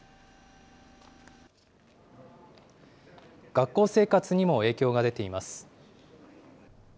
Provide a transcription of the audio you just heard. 学校生活にも影響が出ています。